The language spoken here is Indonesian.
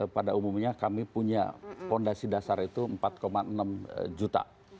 pada umumnya kami punya fondasi dasar itu empat enam juta